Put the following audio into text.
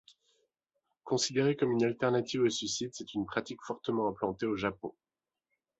Considérée comme une alternative au suicide, c'est une pratique fortement implantée au Japon.